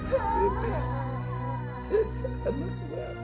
saya tidak mau ngeh mainstream